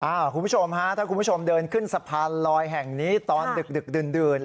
ถ้าคุณผู้ชมเดินขึ้นสะพานลอยแห่งนี้ตอนดึกเดิ่น